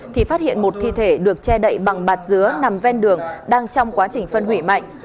thì phát hiện một thi thể được che đậy bằng bạt dứa nằm ven đường đang trong quá trình phân hủy mạnh